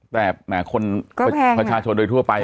แต่แหมคนประชาชนโดยทั่วไป